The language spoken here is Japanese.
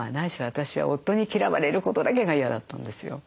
私は夫に嫌われることだけが嫌だったんですよ。